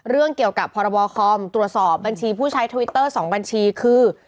เรื่องเกี่ยวกับพรบคอมตรวจสอบบัญชีผู้ใช้ทวิตเตอร์๒บัญชีคือ